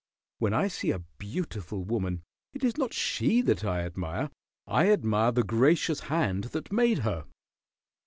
When I see a beautiful woman it is not she that I admire. I admire the gracious Hand that made her."